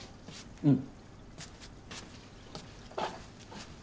うん。